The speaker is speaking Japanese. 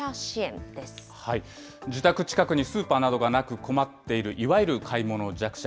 自宅近くにスーパーなどがなく、困っている、いわゆる買い物弱者。